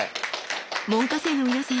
門下生の皆さん